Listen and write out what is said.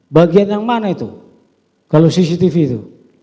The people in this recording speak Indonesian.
bagian yang mana itu kalau cctv itu